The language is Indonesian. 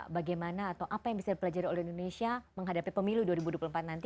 bagaimana atau apa yang bisa dipelajari oleh indonesia menghadapi pemilu dua ribu dua puluh empat nanti